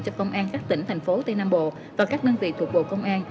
cho công an các tỉnh thành phố tây nam bộ và các đơn vị thuộc bộ công an